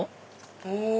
お！